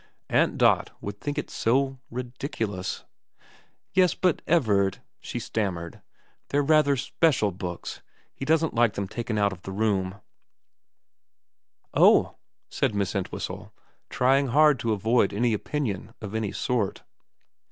Aunt Dot would think it so ridiculous. ' Yes, but Everard ' she stammered. * They're rather special books he doesn't like them taken out of the room '' Oh,' said Miss Entwhistle, trying hard to avoid any opinion of any sort.